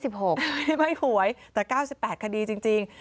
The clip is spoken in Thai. ไม่หวยแต่๙๘คดีจริง